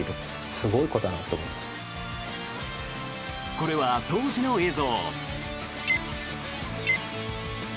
これは、当時の映像。